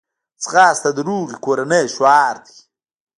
ځغاسته د روغې کورنۍ شعار دی